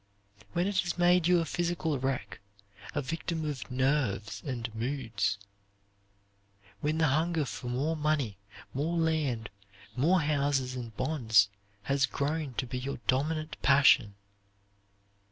When it has made you a physical wreck a victim of "nerves" and moods. When the hunger for more money, more land, more houses and bonds has grown to be your dominant passion.